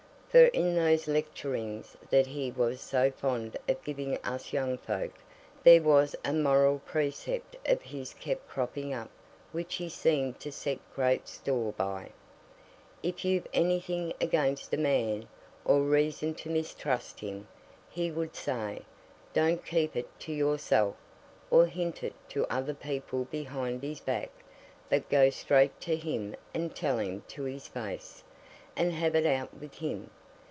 For in those lecturings that he was so fond of giving us young folk, there was a moral precept of his kept cropping up which he seemed to set great store by "If you've anything against a man, or reason to mistrust him," he would say, "don't keep it to yourself, or hint it to other people behind his back, but go straight to him and tell him to his face, and have it out with him."